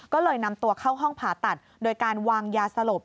ก็เลยนำตัวเข้าห้องผ่าตัดโดยการวางยาสลบ